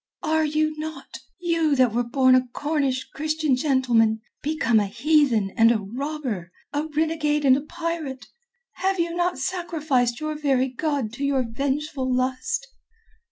"Are you not—you that were born a Cornish Christian gentleman—become a heathen and a robber, a renegade and a pirate? Have you not sacrificed your very God to your vengeful lust?"